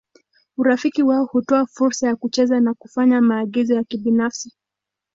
Urafiki wao hutoa fursa ya kucheza na kufanya maagizo ya kibinafsi.